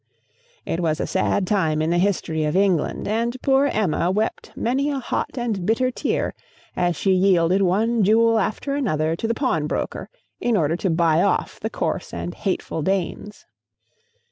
It was a sad time in the history of England, and poor Emma wept many a hot and bitter tear as she yielded one jewel after another to the pawnbroker in order to buy off the coarse and hateful Danes.